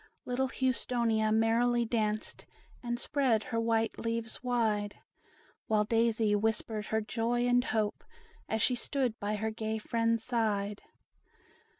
Little Houstonia merrily danced, And spread her white leaves wide; While Daisy whispered her joy and hope, As she stood by her gay friends' side.